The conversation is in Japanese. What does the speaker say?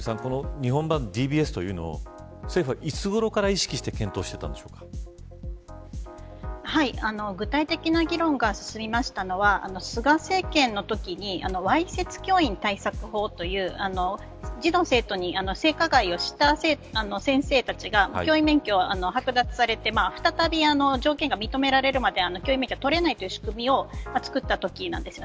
日本版ＤＢＳというのは政府はいつごろから意識して具体的な議論が進んだのは菅政権のときにわいせつ教員対策法という生徒に性加害をした先生たちが教員免許を剥奪されて再び条件が認められるまで教員免許は取れないという仕組みを作ったときです